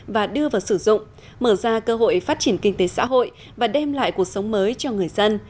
và đưa vào sử dụng mở ra cơ hội phát triển kinh tế xã hội và đem lại cuộc sống mới cho người dân